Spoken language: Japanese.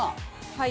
はい。